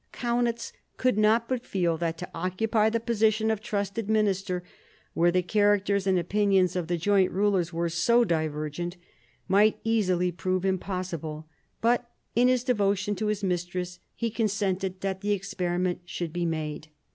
Kaunitz could not but feel that to occupy the position of trusted minister, where the characters and opinions of the joint rulers were so divergent, might easily prove impossible ; but in his devotion to his mistress he consented that the experiment should be made.